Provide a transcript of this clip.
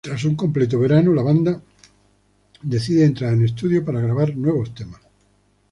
Tras un completo verano, la banda decide entrar en estudio para grabar nuevos temas.